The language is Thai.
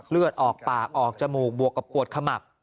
เลือดออกปากออกจมูกบวกกับปวดขมับ